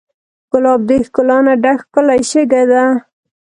ګلاب د ښکلا نه ډک ښکلی شګه دی.